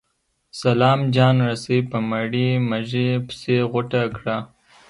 سلام جان رسۍ په مړې مږې پسې غوټه کړه.